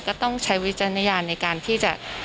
ก็ต้องใช้วิจารณญาณในการที่จะ